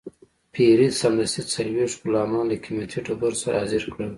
پیري سمدستي څلوېښت غلامان له قیمتي ډبرو سره حاضر کړل.